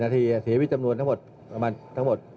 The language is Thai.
นาทีเสียชีวิตจำนวนทั้งหมดประมาณทั้งหมด